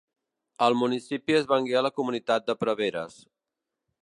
El municipi es vengué a la Comunitat de Preveres.